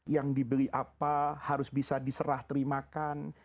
yang dibeli apa harus bisa diserah terimakan